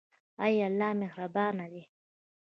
ایا الله مهربان دی؟